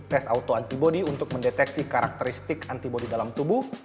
tes autoantibody untuk mendeteksi karakteristik antibody dalam tubuh